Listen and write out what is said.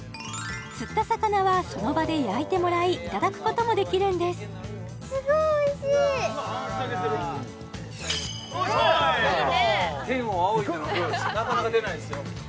釣った魚はその場で焼いてもらいいただくこともできるんですよしこい！